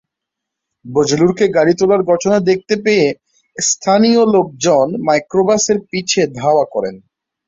বজলুরকে গাড়িতে তোলার ঘটনা দেখতে পেয়ে স্থানীয় লোকজন মাইক্রোবাসের পিছে ধাওয়া করেন।